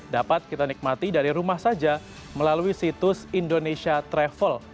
dapat kita nikmati dari rumah saja melalui situs indonesia travel